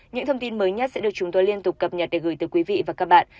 những thông tin mới nhất sẽ được chúng tôi liên tục cập nhật để gửi tới quý vị và các bạn